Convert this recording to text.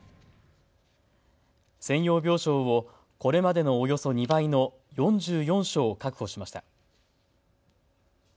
専用病床をこれまでのおよそ２倍の４４床、確保しました。